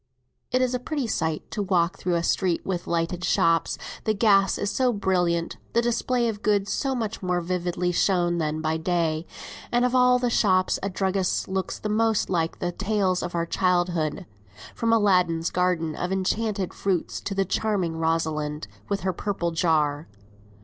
It is a pretty sight to walk through a street with lighted shops; the gas is so brilliant, the display of goods so much more vividly shown than by day, and of all shops a druggist's looks the most like the tales of our childhood, from Aladdin's garden of enchanted fruits to the charming Rosamond with her purple jar.